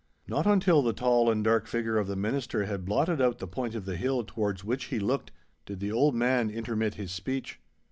Not until the tall and dark figure of the Minister had blotted out the point of the hill towards which he looked, did the old man intermit his speech.